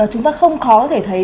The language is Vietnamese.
chúng ta không khó để thấy